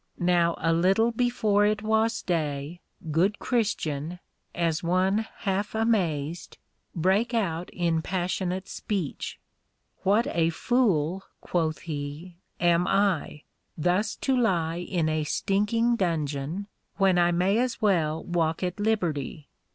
Now a little before it was day, good Christian, as one half amazed, brake out in passionate speech: What a fool, quoth he, _am I, thus to lie in a stinking Dungeon, when I may as well walk at liberty.